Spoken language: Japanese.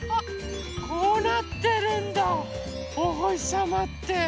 こうなってるんだおほしさまって。